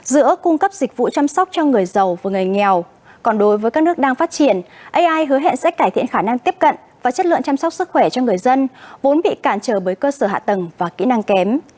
giữa cung cấp dịch vụ chăm sóc cho người giàu và người nghèo còn đối với các nước đang phát triển ai hứa hẹn sẽ cải thiện khả năng tiếp cận và chất lượng chăm sóc sức khỏe cho người dân vốn bị cản trở bởi cơ sở hạ tầng và kỹ năng kém